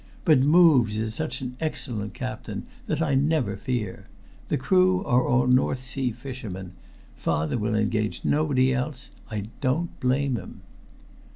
But Moyes is such an excellent captain that I never fear. The crew are all North Sea fishermen father will engage nobody else. I don't blame him."